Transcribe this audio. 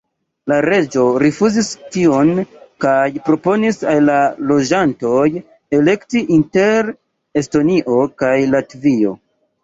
La reĝo rifuzis tion kaj proponis al la loĝantoj elekti inter Estonio kaj Latvio.